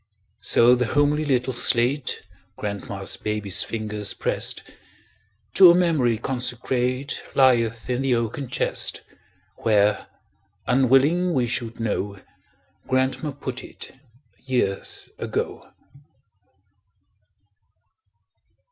So the homely little slate Grandma's baby's fingers pressed, To a memory consecrate, Lieth in the oaken chest, Where, unwilling we should know, Grandma put it, years ago.